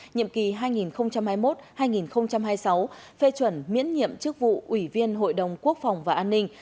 nhiệm kỳ hai nghìn hai mươi một hai nghìn hai mươi sáu phê chuẩn miễn nhiệm chức vụ ủy viên hội đồng quốc phòng và an ninh